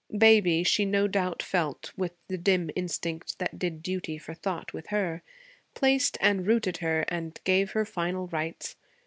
Baby, she no doubt felt, with the dim instinct that did duty for thought with her, placed and rooted her and gave her final rights.